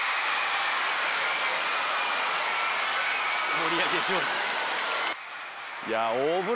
盛り上げ上手。